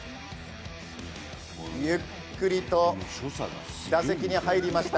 ゆっくりと打席に入りました。